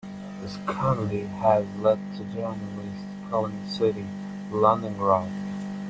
This community has led to journalists calling the city "Londongrad".